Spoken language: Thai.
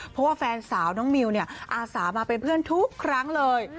เพราะว่าแฟนสาวน้องมิวอาสามาเป็นเพื่อนทุกครั้งเลย